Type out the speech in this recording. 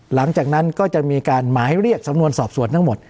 หลังจากนั้นก็จะมีการหมายเรียกสำนวนสอบสวนทั้งหมด